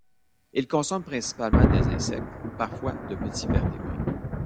Il consomme principalement des insectes, parfois de petits vertébrés.